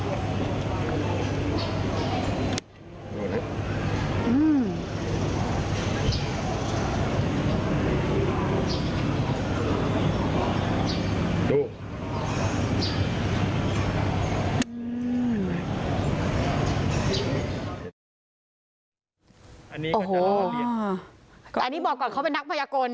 อันนี้ก็จะล้อเลียนอันนี้บอกก่อนเขาเป็นนักมายกร